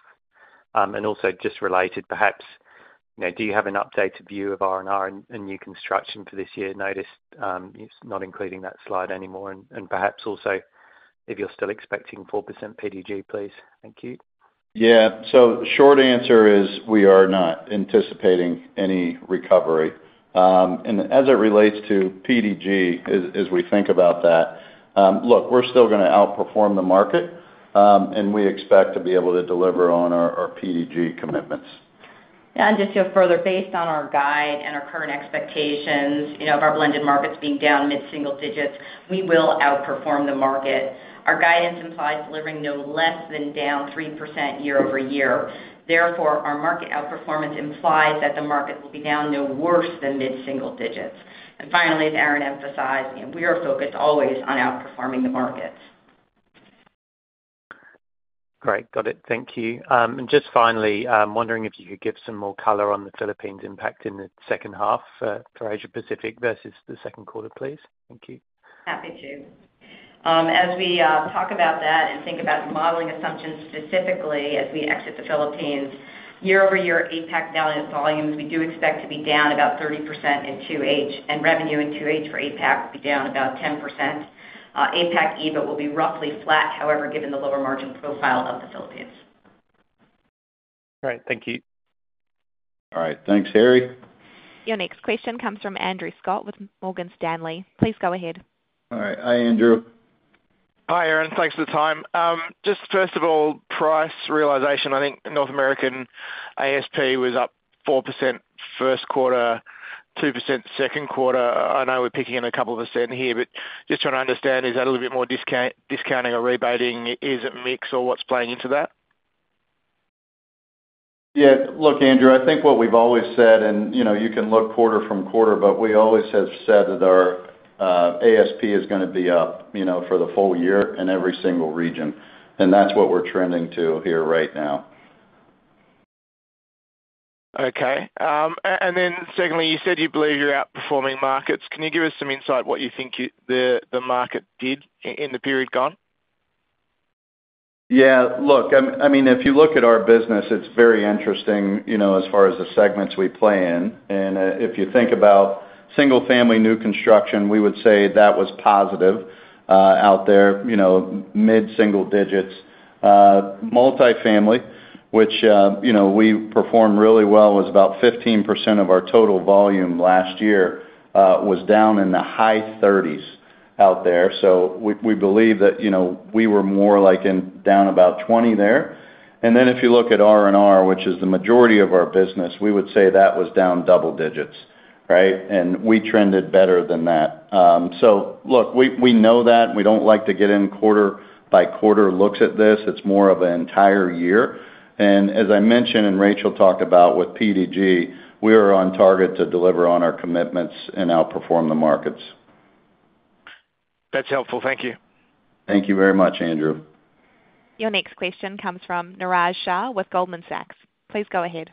And also just related, perhaps, do you have an updated view of R&R and new construction for this year? Notice it's not including that slide anymore. And perhaps also if you're still expecting 4% PDG, please. Thank you. Yeah. So short answer is we are not anticipating any recovery. And as it relates to PDG, as we think about that, look, we're still going to outperform the market, and we expect to be able to deliver on our PDG commitments. Just to further based on our guide and our current expectations of our blended markets being down mid-single digits, we will outperform the market. Our guidance implies delivering no less than down 3% year-over-year. Therefore, our market outperformance implies that the market will be down no worse than mid-single digits. And finally, as Aaron emphasized, we are focused always on outperforming the markets. Great. Got it. Thank you. And just finally, I'm wondering if you could give some more color on the Philippines' impact in the H2 for Asia-Pacific versus the Q2, please. Thank you. Happy to. As we talk about that and think about modeling assumptions specifically as we exit the Philippines, year-over-year, APAC value volumes, we do expect to be down about 30% in H2, and revenue in H2 for APAC will be down about 10%. APAC EBIT will be roughly flat, however, given the lower margin profile of the Philippines. Great. Thank you. All right. Thanks, Harry. Your next question comes from Andrew Scott with Morgan Stanley. Please go ahead. All right. Hi, Andrew. Hi, Aaron. Thanks for the time. Just first of all, price realization. I think North American ASP was up 4% Q1, 2% Q2. I know we're picking in a couple of percent here, but just trying to understand, is that a little bit more discounting or rebating? Is it mixed or what's playing into that? Yeah. Look, Andrew, I think what we've always said, and you can look quarter-from-quarter, but we always have said that our ASP is going to be up for the full year in every single region. And that's what we're trending to here right now. Okay. And then secondly, you said you believe you're outperforming markets. Can you give us some insight what you think the market did in the period gone? Yeah. Look, I mean, if you look at our business, it's very interesting as far as the segments we play in. And if you think about single-family new construction, we would say that was positive out there, mid-single digits. Multifamily, which we performed really well, was about 15% of our total volume last year, was down in the high 30s out there. So we believe that we were more like down about 20 there. And then if you look at R&R, which is the majority of our business, we would say that was down double digits, right? And we trended better than that. So look, we know that. We don't like to get in quarter-by-quarter looks at this. It's more of an entire year. As I mentioned and Rachel talked about with PDG, we are on target to deliver on our commitments and outperform the markets. That's helpful. Thank you. Thank you very much, Andrew. Your next question comes from Niraj Shah with Goldman Sachs. Please go ahead.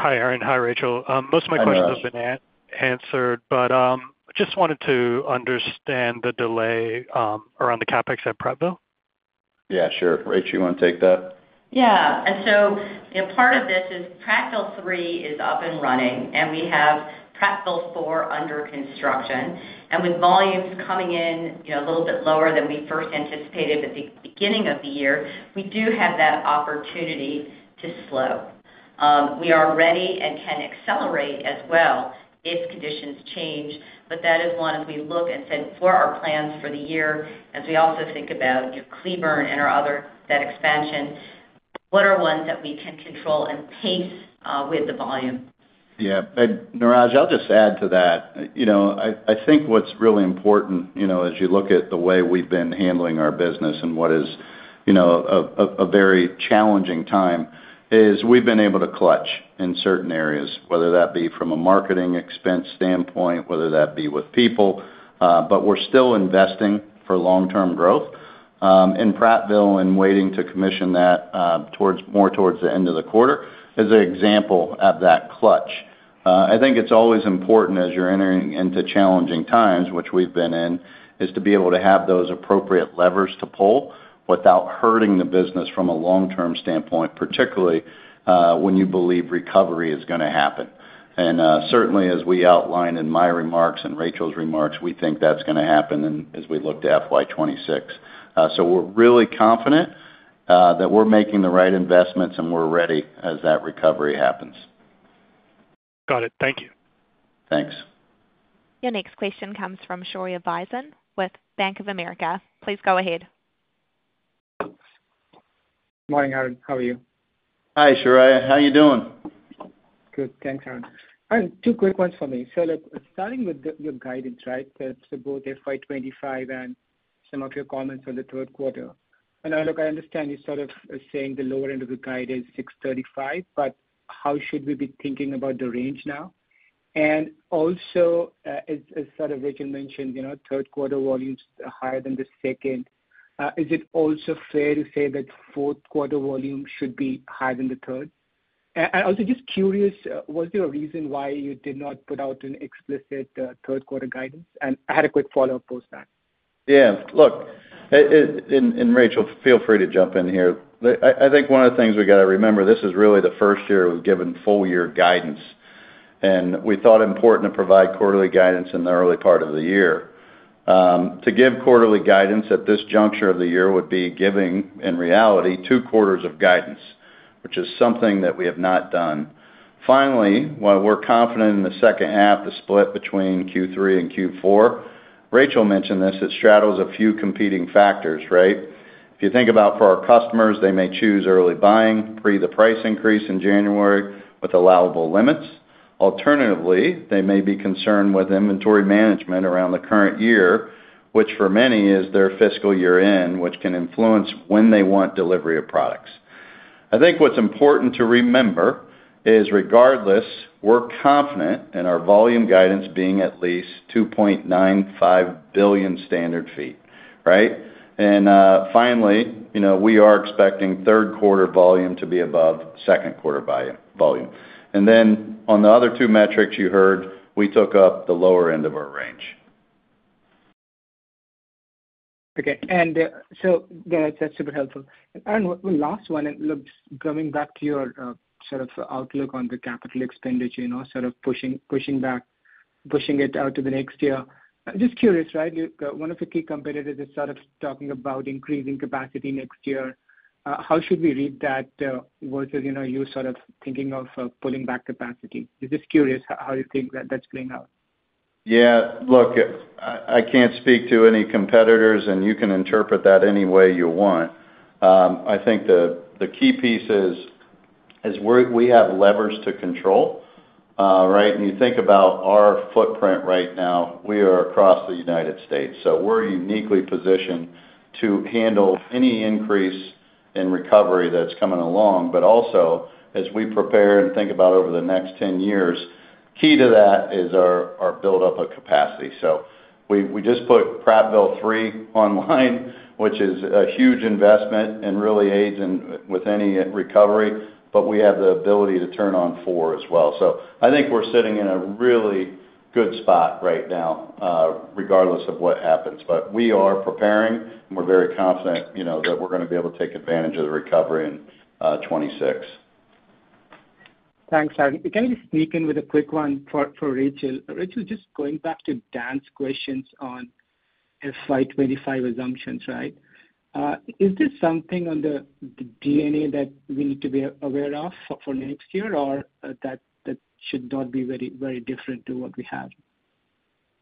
Hi, Aaron. Hi, Rachel. Most of my questions have been answered, but I just wanted to understand the delay around the CapEx at Prattville. Yeah. Sure. Rachel, you want to take that? Yeah. And so part of this is Prattville 3 is up and running, and we have Prattville 4 under construction. And with volumes coming in a little bit lower than we first anticipated at the beginning of the year, we do have that opportunity to slow. We are ready and can accelerate as well if conditions change. But that is one, as we look ahead for our plans for the year, as we also think about Cleburne and Orejo. That expansion, what are ones that we can control and pace with the volume? Yeah. Niraj, I'll just add to that. I think what's really important as you look at the way we've been handling our business and what is a very challenging time is we've been able to cut in certain areas, whether that be from a marketing expense standpoint, whether that be with people. But we're still investing for long-term growth in Prattville and waiting to commission that more towards the end of the quarter as an example of that cut. I think it's always important as you're entering into challenging times, which we've been in, is to be able to have those appropriate levers to pull without hurting the business from a long-term standpoint, particularly when you believe recovery is going to happen. And certainly, as we outlined in my remarks and Rachel's remarks, we think that's going to happen as we look to FY 2026. So we're really confident that we're making the right investments and we're ready as that recovery happens. Got it. Thank you. Thanks. Your next question comes from Shaurya Visen with Bank of America. Please go ahead. Good morning, Aaron. How are you? Hi, Shaurya. How are you doing? Good. Thanks, Aaron. Aaron, two quick ones for me. So starting with your guidance, right, to both FY 2025 and some of your comments on the Q3. Look, I understand you're sort of saying the lower end of the guide is 635, but how should we be thinking about the range now? And also, as sort of Rachel mentioned, Q3 volumes are higher than the second. Is it also fair to say that Q4 volume should be higher than the third? And also, just curious, was there a reason why you did not put out an explicit Q3 guidance? And I had a quick follow-up after that. Yeah. Look, and Rachel, feel free to jump in here. I think one of the things we got to remember, this is really the first year we've given full-year guidance. And we thought it important to provide quarterly guidance in the early part of the year. To give quarterly guidance at this juncture of the year would be giving, in reality, two quarters of guidance, which is something that we have not done. Finally, while we're confident in the H2, the split between Q3 and Q4, Rachel mentioned this that straddles a few competing factors, right? If you think about for our customers, they may choose early buying pre the price increase in January with allowable limits. Alternatively, they may be concerned with inventory management around the current year, which for many is their fiscal year-end, which can influence when they want delivery of products. I think what's important to remember is regardless, we're confident in our volume guidance being at least 2.95 billion standard feet, right? And finally, we are expecting Q3 volume to be above Q2 volume. And then on the other two metrics you heard, we took up the lower end of our range. Okay. And so that's super helpful. Aaron, one last one. And look, coming back to your sort of outlook on the capital expenditure, sort of pushing back, pushing it out to the next year. Just curious, right? One of the key competitors is sort of talking about increasing capacity next year. How should we read that versus you sort of thinking of pulling back capacity? Just curious how you think that that's playing out. Yeah. Look, I can't speak to any competitors, and you can interpret that any way you want. I think the key piece is we have levers to control, right? And you think about our footprint right now, we are across the United States. So we're uniquely positioned to handle any increase in recovery that's coming along. But also, as we prepare and think about over the next 10 years, key to that is our buildup of capacity. So we just put Prattville 3 online, which is a huge investment and really aids with any recovery, but we have the ability to turn on 4 as well. So I think we're sitting in a really good spot right now regardless of what happens. But we are preparing, and we're very confident that we're going to be able to take advantage of the recovery in 2026. Thanks, Aaron. Can you sneak in with a quick one for Rachel? Rachel, just going back to Dan's questions on FY 2025 assumptions, right? Is this something on the D&A that we need to be aware of for next year, or that should not be very different to what we have?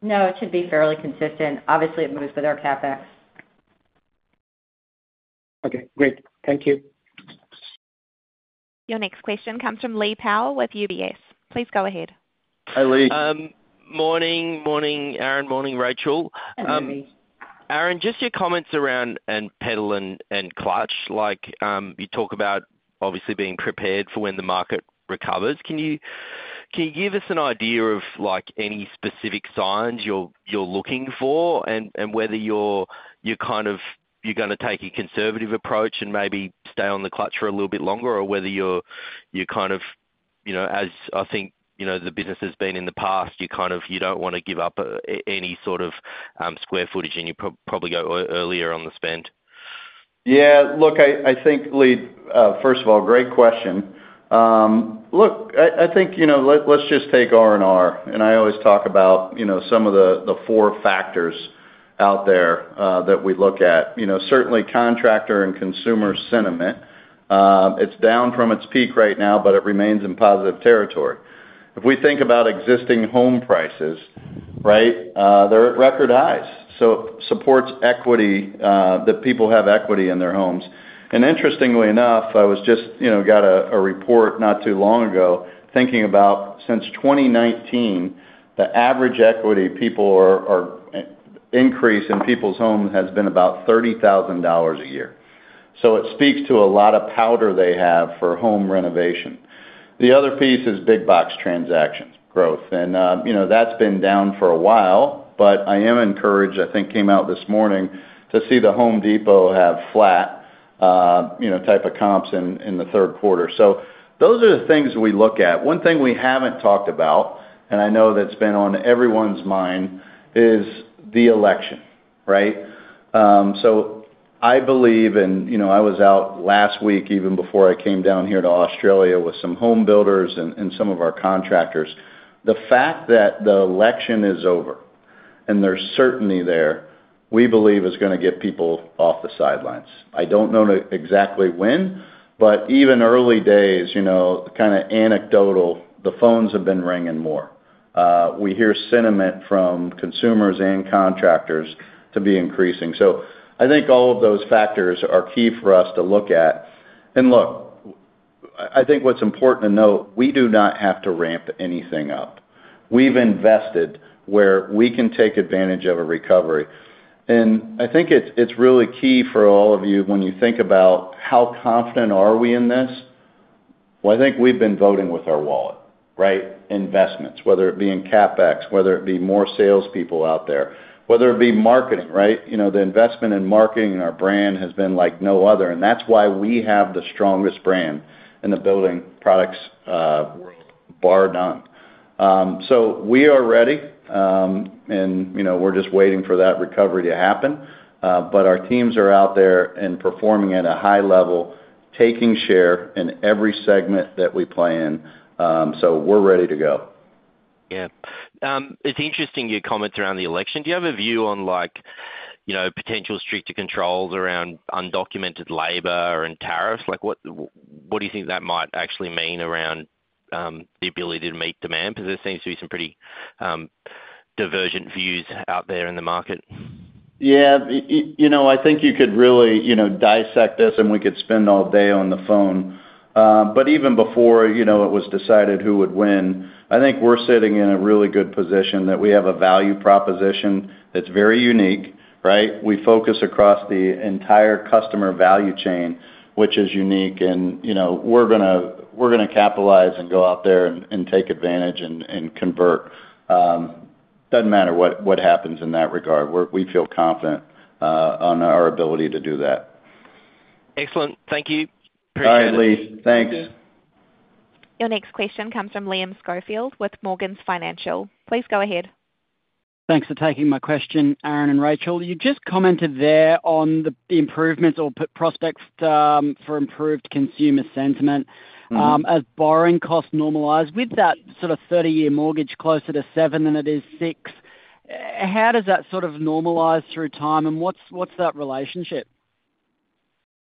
No, it should be fairly consistent. Obviously, it moves with our CapEx. Okay. Great. Thank you. Your next question comes from Lee Power with UBS. Please go ahead. Hi, Lee. Morning, Aaron. Morning, Rachel. Aaron, just your comments around pedal and clutch. You talk about obviously being prepared for when the market recovers. Can you give us an idea of any specific signs you're looking for and whether you're kind of going to take a conservative approach and maybe stay on the clutch for a little bit longer, or whether you're kind of, as I think the business has been in the past, you don't want to give up any sort of square footage, and you probably go earlier on the spend? Yeah. Look, I think, Lee, first of all, great question. Look, I think let's just take R&R. And I always talk about some of the four factors out there that we look at. Certainly, contractor and consumer sentiment. It's down from its peak right now, but it remains in positive territory. If we think about existing home prices, right, they're at record highs. So it supports equity that people have equity in their homes. And interestingly enough, I just got a report not too long ago thinking about since 2019, the average equity increase in people's homes has been about $30,000 a year. So it speaks to a lot of powder they have for home renovation. The other piece is big box transaction growth. And that's been down for a while, but I am encouraged, I think came out this morning, to see the Home Depot have flat type of comps in the Q3. So those are the things we look at. One thing we haven't talked about, and I know that's been on everyone's mind, is the election, right? So I believe, and I was out last week even before I came down here to Australia with some home builders and some of our contractors, the fact that the election is over and there's certainty there, we believe is going to get people off the sidelines. I don't know exactly when, but even early days, kind of anecdotal, the phones have been ringing more. We hear sentiment from consumers and contractors to be increasing, so I think all of those factors are key for us to look at, and look, I think what's important to note, we do not have to ramp anything up, we've invested where we can take advantage of a recovery, and I think it's really key for all of you when you think about how confident are we in this, well, I think we've been voting with our wallet, right? Investments, whether it be in CapEx, whether it be more salespeople out there, whether it be marketing, right? The investment in marketing and our brand has been like no other, and that's why we have the strongest brand in the building products world, bar none, so we are ready, and we're just waiting for that recovery to happen, but our teams are out there and performing at a high level, taking share in every segment that we play in, so we're ready to go. Yeah. It's interesting your comments around the election. Do you have a view on potential stricter controls around undocumented labor and tariffs? What do you think that might actually mean around the ability to meet demand? Because there seems to be some pretty divergent views out there in the market. Yeah. I think you could really dissect this, and we could spend all day on the phone. But even before it was decided who would win, I think we're sitting in a really good position that we have a value proposition that's very unique, right? We focus across the entire customer value chain, which is unique. And we're going to capitalize and go out there and take advantage and convert. Doesn't matter what happens in that regard. We feel confident on our ability to do that. Excellent. Thank you. Appreciate it. All right, Lee. Thanks. Your next question comes from Liam Schofield with Morgans Financial. Please go ahead. Thanks for taking my question, Aaron and Rachel. You just commented there on the improvements or prospects for improved consumer sentiment as borrowing costs normalize with that sort of 30-year mortgage closer to 7 than it is 6. How does that sort of normalize through time, and what's that relationship?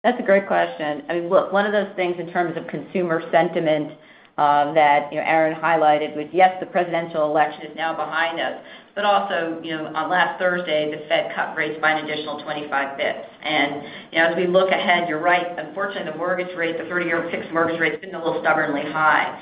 That's a great question. I mean, look, one of those things in terms of consumer sentiment that Aaron highlighted was, yes, the presidential election is now behind us, but also on last Thursday, the Fed cut rates by an additional 25 basis points. As we look ahead, you're right. Unfortunately, the mortgage rate, the 30-year fixed mortgage rate, has been a little stubbornly high.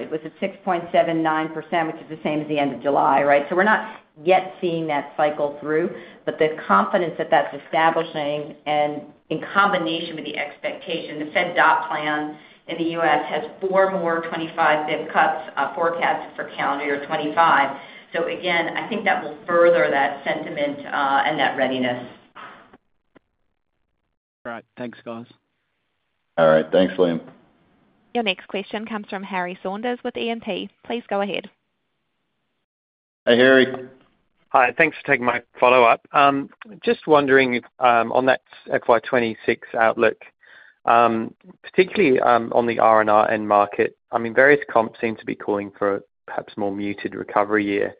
It was at 6.79%, which is the same as the end of July, right? So we're not yet seeing that cycle through, but the confidence that that's establishing and in combination with the expectation, the Fed dot plot in the US has four more 25 basis point cuts forecasted for calendar year 2025. So again, I think that will further that sentiment and that readiness. All right. Thanks, guys. All right. Thanks, Liam. Your next question comes from Harry Saunders with E&P. Please go ahead. Hi, Harry. Hi. Thanks for taking my follow-up. Just wondering on that FY 2026 outlook, particularly on the R&R end market, I mean, various comps seem to be calling for a perhaps more muted recovery year.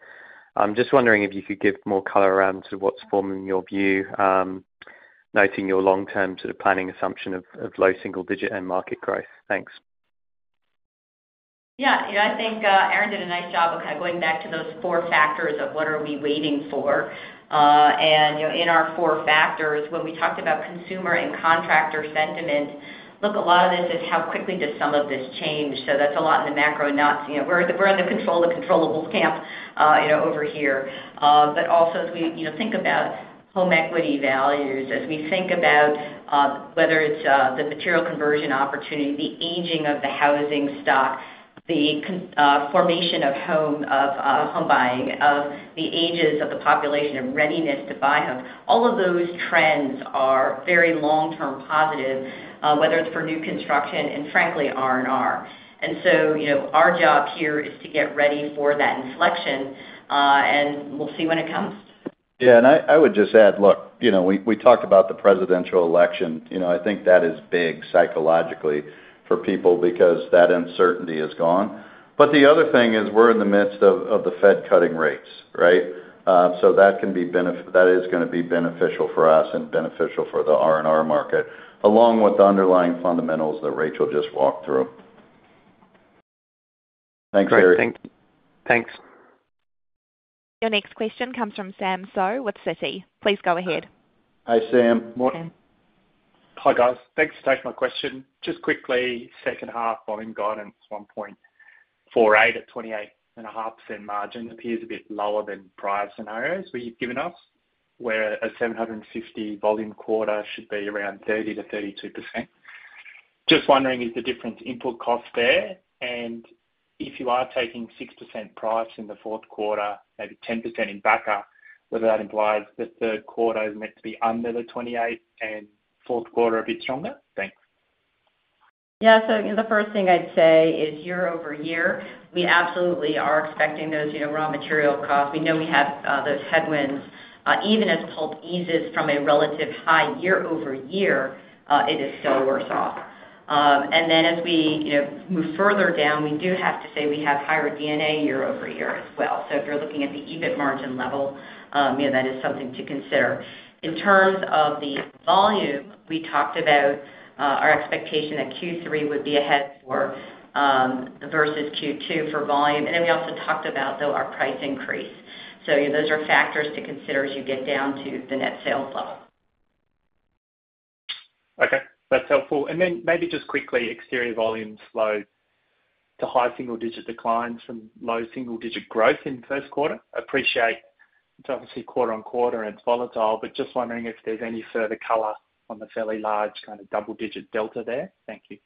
Just wondering if you could give more color around sort of what's forming your view, noting your long-term sort of planning assumption of low single-digit end market growth. Thanks. Yeah. I think Aaron did a nice job of kind of going back to those four factors of what are we waiting for. In our four factors, when we talked about consumer and contractor sentiment, look, a lot of this is how quickly does some of this change. So that's a lot in the macro nuts. We're in the control of the controllable camp over here. But also, as we think about home equity values, as we think about whether it's the material conversion opportunity, the aging of the housing stock, the formation of home buying, the ages of the population and readiness to buy homes, all of those trends are very long-term positive, whether it's for new construction and, frankly, R&R. And so our job here is to get ready for that inflection, and we'll see when it comes. Yeah. And I would just add, look, we talked about the presidential election. I think that is big psychologically for people because that uncertainty is gone. But the other thing is we're in the midst of the Fed cutting rates, right? So that can be beneficial, that is going to be beneficial for us and beneficial for the R&R market, along with the underlying fundamentals that Rachel just walked through. Thanks, Harry. Great. Thanks. Your next question comes from Sam Seow with Citi. Please go ahead. Hi, Sam. Hi, guys. Thanks for taking my question. Just quickly, H2 volume guidance 1.48 at 28.5% margin appears a bit lower than prior scenarios where you've given us, where a 750 volume quarter should be around 30%-32%. Just wondering, is the difference input cost there? And if you are taking 6% price in the Q4, maybe 10% in Backer, whether that implies the Q3 is meant to be under the 28% and Q4 a bit stronger? Thanks. Yeah. So the first thing I'd say is year-over-year, we absolutely are expecting those raw material costs. We know we have those headwinds. Even as pulp eases from a relative high year-over-year, it is still worse off. And then as we move further down, we do have to say we have higher D&A year-over-year as well. So if you're looking at the EBIT margin level, that is something to consider. In terms of the volume, we talked about our expectation that Q3 would be ahead versus Q2 for volume. And then we also talked about, though, our price increase. So those are factors to consider as you get down to the net sales level. Okay. That's helpful. And then maybe just quickly, exterior volume slow to high single-digit declines from low single-digit growth in Q1. Appreciate it's obviously quarter-on-quarter, and it's volatile, but just wondering if there's any further color on the fairly large kind of double-digit delta there. Thank you.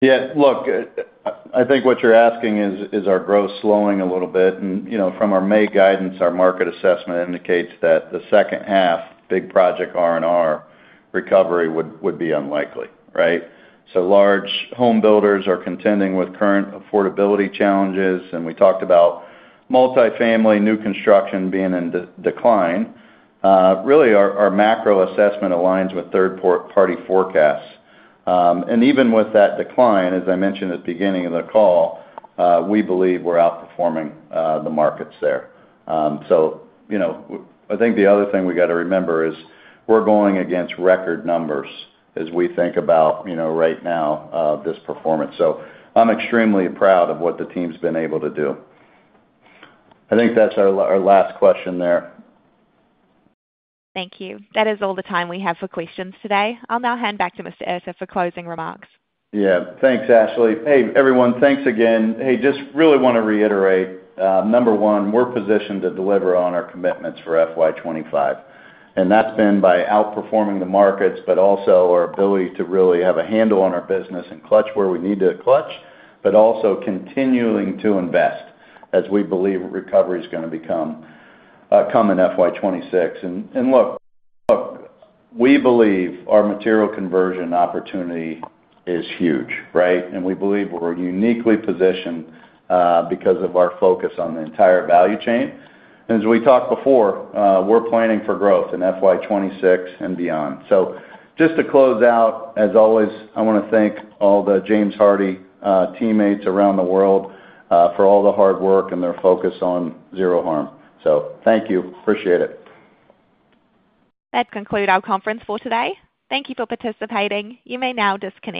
Yeah. Look, I think what you're asking is our growth slowing a little bit. And from our May guidance, our market assessment indicates that the H2 big project R&R recovery would be unlikely, right? So large home builders are contending with current affordability challenges. And we talked about multifamily new construction being in decline. Really, our macro assessment aligns with third-party forecasts. And even with that decline, as I mentioned at the beginning of the call, we believe we're outperforming the markets there. So I think the other thing we got to remember is we're going against record numbers as we think about right now this performance. So I'm extremely proud of what the team's been able to do. I think that's our last question there. Thank you. That is all the time we have for questions today. I'll now hand back to Mr. Erter for closing remarks. Yeah. Thanks, Ashley. Hey, everyone, thanks again. Hey, just really want to reiterate, number one, we're positioned to deliver on our commitments for FY 2025, and that's been by outperforming the markets, but also our ability to really have a handle on our business and clutch where we need to clutch, but also continuing to invest as we believe recovery is going to come in FY 2026. Look, we believe our material conversion opportunity is huge, right? We believe we're uniquely positioned because of our focus on the entire value chain, and as we talked before, we're planning for growth in FY 2026 and beyond. Just to close out, as always, I want to thank all the James Hardie teammates around the world for all the hard work and their focus on Zero Harm. So thank you. Appreciate it. That concludes our conference for today. Thank you for participating. You may now disconnect.